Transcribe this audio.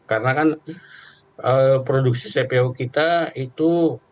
karena kan produksi cpo kita itu